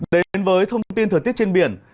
đến với thông tin thời tiết trên biển